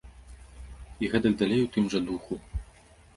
І гэтак далей у тым жа духу.